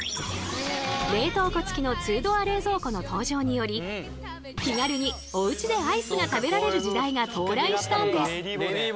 冷凍庫つきの２ドア冷蔵庫の登場により気軽におうちでアイスが食べられる時代が到来したんです！